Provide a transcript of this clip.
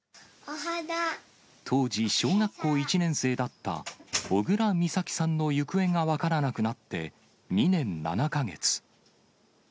当時、小学校１年生だった小倉美咲さんの行方が分からなくなって２年７か月。